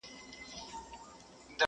لیکلی وصیت،!